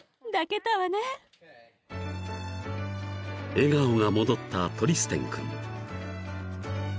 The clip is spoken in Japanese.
［笑顔が戻ったトリステン君］